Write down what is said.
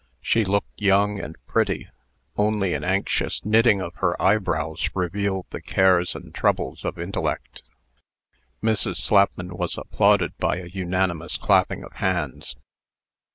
She looked young and pretty. Only an anxious knitting of her eyebrows revealed the cares and troubles of intellect. Mrs. Slapman was applauded by a unanimous clapping of hands.